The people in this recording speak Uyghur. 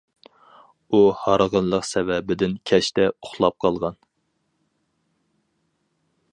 ئۇ ھارغىنلىق سەۋەبىدىن كەچتە ئۇخلاپ قالغان.